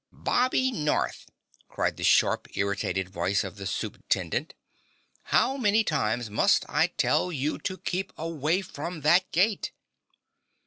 "Bobby North!" cried the sharp, irritated voice of the Supe'tendent. "How many times must I tell you to keep away from that gate!"